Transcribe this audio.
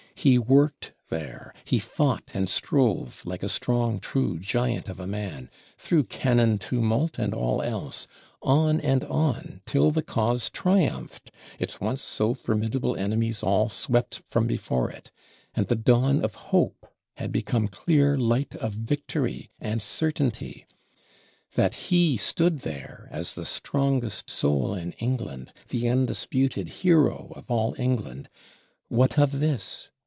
He worked there; he fought and strove, like a strong true giant of a man, through cannon tumult and all else, on and on, till the Cause triumphed, its once so formidable enemies all swept from before it, and the dawn of hope had become clear light of victory and certainty. That he stood there as the strongest soul of England, the undisputed Hero of all England, what of this?